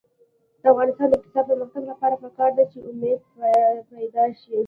د افغانستان د اقتصادي پرمختګ لپاره پکار ده چې امید پیدا شي.